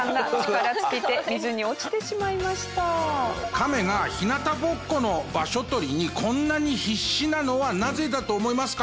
カメが日向ぼっこの場所取りにこんなに必死なのはなぜだと思いますか？